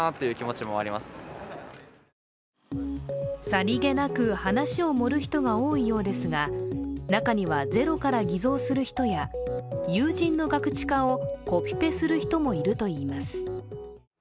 さりげなく話を盛る人が多いようですが中にはゼロから偽造する人や友人のガクチカをコピペする人もいるといいます。